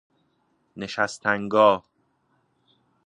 نشستنگاه